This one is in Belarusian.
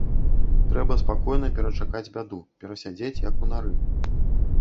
Трэба спакойна перачакаць бяду, перасядзець, як у нары.